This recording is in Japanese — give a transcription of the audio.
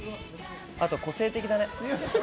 あと、個性的だね。